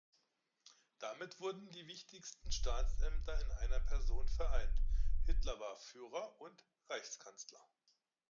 Damit wurden die wichtigsten Staatsämter in einer Person vereinigt: Hitler war „Führer und Reichskanzler“.